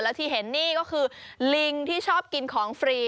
และที่เห็นนี่ก็คือลิงที่ชอบกินของฟรี